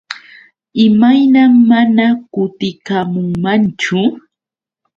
¿Imayna mana kutikamunmanchu?